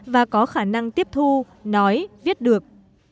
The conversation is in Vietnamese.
và có khả năng tiếp thù nói viết được